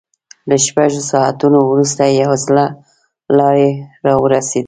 له شپږو ساعتونو وروسته يوه زړه لارۍ را ورسېده.